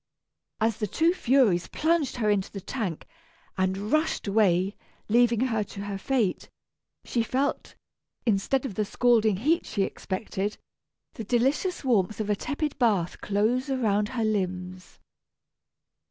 As the two furies plunged her into the tank, and rushed away, leaving her to her fate, she felt, instead of the scalding heat she expected, the delicious warmth of a tepid bath close round her limbs.